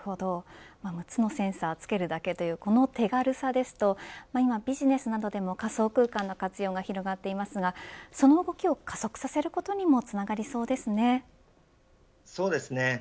６つのセンサーをつけるだけという手軽さですと今、ビジネスなどでも仮想空間の活用が広がっていますがその動きを加速させることにもそうですね。